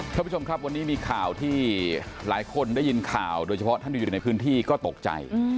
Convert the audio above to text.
ท่านผู้ชมครับวันนี้มีข่าวที่หลายคนได้ยินข่าวโดยเฉพาะท่านที่อยู่ในพื้นที่ก็ตกใจ